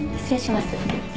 失礼します。